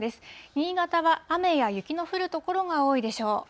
新潟は雨や雪の降る所が多いでしょう。